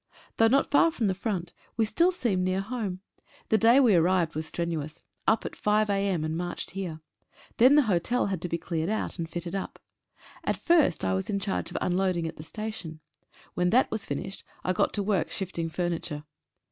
Though not far from the front we still seem near home. The day we arrived was strenuous. Up at 5 a.m., and marched here. Then the hotel had to be cleared out, and fitted up. At first I was in charge of unloading at the station. When that was finished I got to work shifting furniture.